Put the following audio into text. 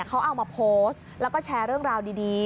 เขาเอามาโพสต์แล้วก็แชร์เรื่องราวดี